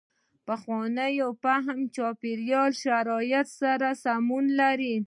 پخوانو فهم چاپېریال شرایطو سره سمون لري.